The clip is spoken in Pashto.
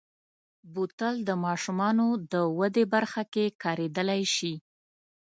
بوتل د ماشومو د ودې برخه کې کارېدلی شي.